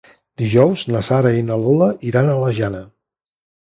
Dijous na Sara i na Lola iran a la Jana.